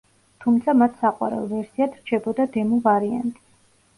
თუმცა მათ საყვარელ ვერსიად რჩებოდა დემო ვარიანტი.